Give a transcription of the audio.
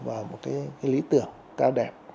và một cái lý tưởng cao đẹp